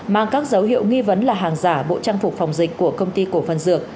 mang các dấu hiệu nghi vấn là hàng giả bộ trang phục phòng dịch của công ty cổ phần dược